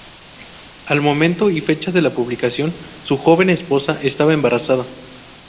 Al momento y fecha de la publicación, su joven esposa estaba embarazada.